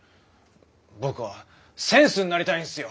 僕はセンスになりたいんすよ！